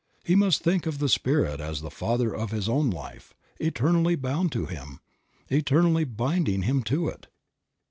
He must think of the Spirit as the Father of his own life, eternally bound to him, eternally binding him to it.